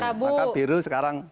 maka biru sekarang